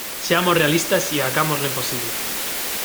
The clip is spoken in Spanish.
Seamos realistas y hagamos lo imposible.